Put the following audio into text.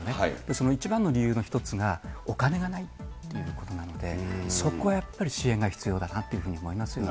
その一番の理由の一つが、お金がないっていうことなので、そこをやっぱり支援が必要だなっていうふうに思いますよね。